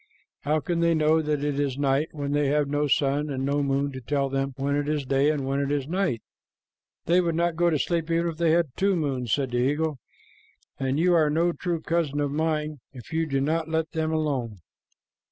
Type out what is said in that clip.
"How can they know that it is night, when they have no sun and no moon to tell them when it is day and when it is night?" "They would not go to sleep even if they had two moons," said the eagle; "and you are no true cousin of mine if you do not let them alone."